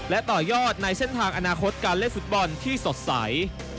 และต่อยอดในเส้นทางอนาคตการเล่นฟุตบอลที่สดใส